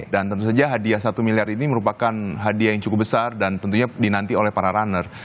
dan tentu saja hadiah satu miliar ini merupakan hadiah yang cukup besar dan tentunya dinanti oleh para runner